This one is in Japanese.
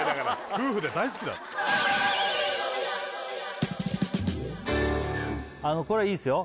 夫婦で大好きなのこれいいですよ